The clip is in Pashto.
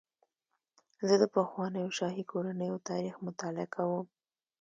زه د پخوانیو شاهي کورنیو تاریخ مطالعه کوم.